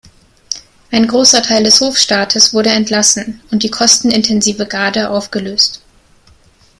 Ein großer Teil des Hofstaates wurde entlassen und die kostenintensive Garde aufgelöst.